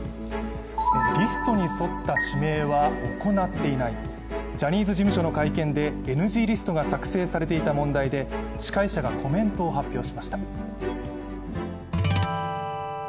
リストに沿った指名は行っていない、ジャニーズ事務所の会見でＮＧリストが作成されていた問題で司会者がコメントを発表しました。